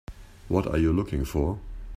What are you looking for?